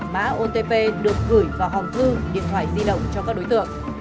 mã otp được gửi vào hòng thư điện thoại di động cho các đối tượng